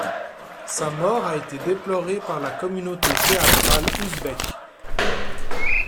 Sa mort a été déplorée par la communauté théâtrale ouzbèke.